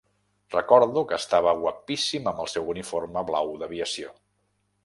Recordo que estava guapíssim amb el seu uniforme blau d'aviació.